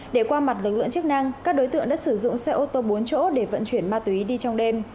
để qua mặt lực lượng chức năng các đối tượng đã sử dụng xe ô tô bốn chỗ để vận chuyển ma túy đi trong đêm